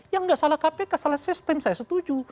ya gak salah kpk salah sistem saya setuju